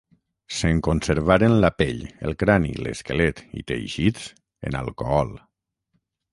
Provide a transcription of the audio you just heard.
Se'n conservaren la pell, el crani, l'esquelet i teixits en alcohol.